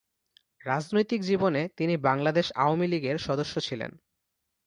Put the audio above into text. রাজনৈতিক জীবনে তিনি বাংলাদেশ আওয়ামী লীগ এর সদস্য্ ছিলেন।